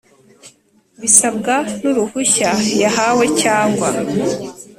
bisabwa n uruhushya yahawe cyangwa